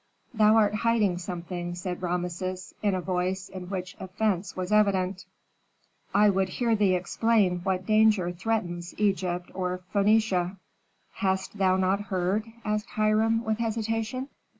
"Thou art hiding something," said Rameses, in a voice in which offence was evident. "I would hear thee explain what danger threatens Egypt or Phœnicia." "Hast thou not heard?" asked Hiram, with hesitation.